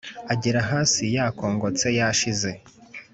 Agera hasi yakongotse yashize